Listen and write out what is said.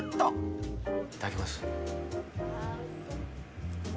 いただきます。